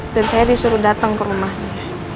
dan saya disuruh dateng ke rumahnya